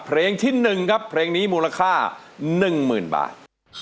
เพลงที่๑ครับเพลงนี้มูลค่า๑๐๐๐บาท